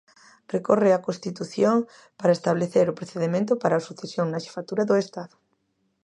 Recorre á Constitución para establecer o procedemento para a sucesión na Xefatura do Estado.